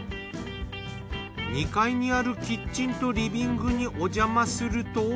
２階にあるキッチンとリビングにおじゃますると。